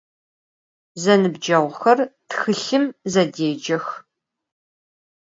Zenıbceğuxer txılhım zedêcex.